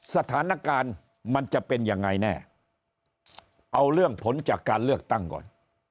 สถานการณ์มันจะเป็นยังไงแน่เอาเรื่องผลจากการเลือกตั้งก่อน